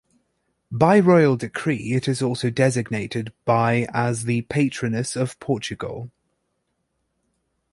By royal decree, it is also designated by as the Patroness of Portugal.